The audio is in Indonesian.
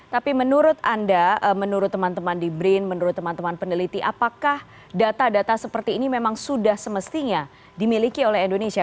tapi menurut anda menurut teman teman di brin menurut teman teman peneliti apakah data data seperti ini memang sudah semestinya dimiliki oleh indonesia